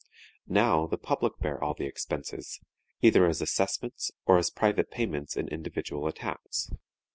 Now, the public bear all the expenses, either as assessments or as private payments in individual attacks.